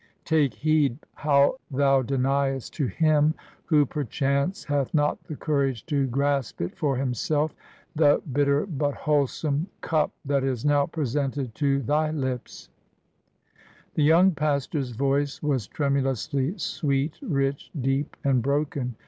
Take heed how thou deniest to him — ^who, per chance, hath not the courage to grasp it for himself — the bitter, but wholesome, cup that is now presented to thy lips I' The young pastor's voice was tremu lously sweet, rich, deep, and broken.